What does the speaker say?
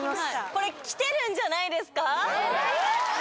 これキテるんじゃないですか？